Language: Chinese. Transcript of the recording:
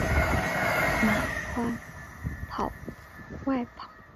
凯撒被描述为穿着伊丽莎白时代的紧身衣而不是罗马宽外袍。